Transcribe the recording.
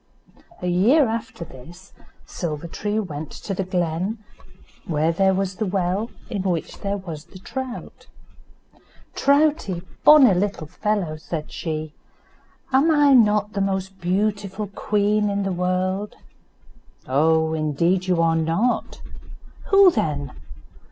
A year after this Silver tree went to the glen, where there was the well in which there was the trout. "Troutie, bonny little fellow," said she, "am not I the most beautiful queen in the world?" "Oh! indeed you are not." "Who then?"